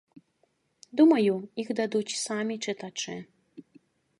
Думаю, іх дадуць самі чытачы.